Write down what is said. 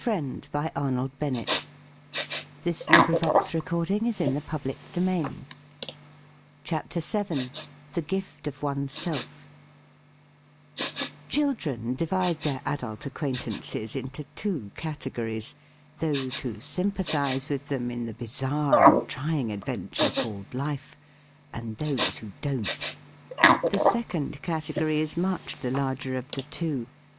CHAPTER SEVEN THE GIFT OF ONESELF THE FEAST OF ST FRIEND SEVEN THE GIFT OF ONESELF CHILDREN divide their adult ac quaintances into two categories — those who sympathise with them in the bizarre and trying adventure called life ; and those who don't. The second cate gory is much the larger of the two.